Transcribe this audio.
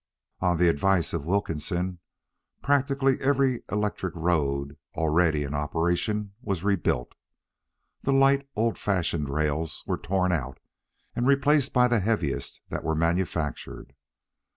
On the advice of Wilkinson, practically every electric road already in operation was rebuilt. The light, old fashioned rails were torn out and replaced by the heaviest that were manufactured.